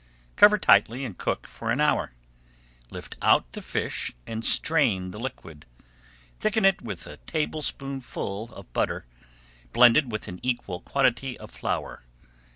Cover tightly and cook for an hour. Lift out the fish and strain the liquid. Thicken it with a tablespoonful of butter, blended with an equal quantity of flour.